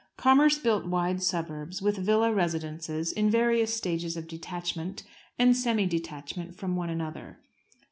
Commerce built wide suburbs, with villa residences in various stages of "detachment" and "semi detachment" from one another.